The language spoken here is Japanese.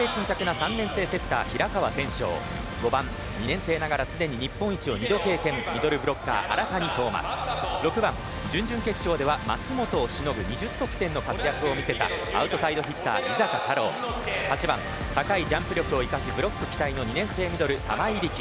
３年生セッター平川天翔５番、２年生ながらすでに日本一を二度経験ミドルブロッカー荒谷柊馬６番準々決勝では舛本をしのぐ２０得点の活躍を見せたアウトサイドヒッター、井坂太郎８番、高いジャンプ力を生かしブロック期待の２年生ミドル玉井利来